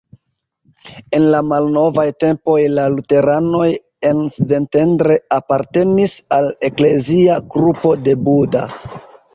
En la malnovaj tempoj la luteranoj en Szentendre apartenis al eklezia grupo de Buda.